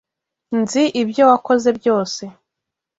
Nzi ibyo wakoze byose.